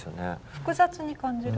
複雑に感じる？